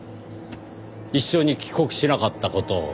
一緒に帰国しなかった事を。